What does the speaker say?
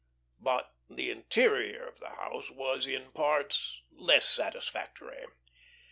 But the interior of the house was, in parts, less satisfactory.